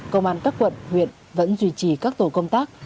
công an các quận huyện vẫn duy trì các tổ công tác